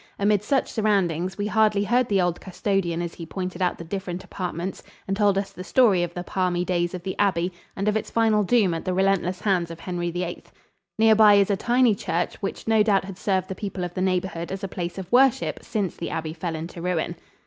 Amid such surroundings, we hardly heard the old custodian as he pointed out the different apartments and told us the story of the palmy days of the abbey and of its final doom at the relentless hands of Henry VIII. Near by is a tiny church, which no doubt had served the people of the neighborhood as a place of worship since the abbey fell into ruin.